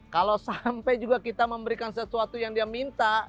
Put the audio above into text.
kalau sampai juga kita memberikan sesuatu yang dia minta